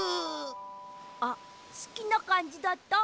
あっすきなかんじだった？